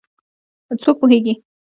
څوک پوهیږېي